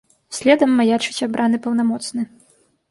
Следам маячыць абраны паўнамоцны.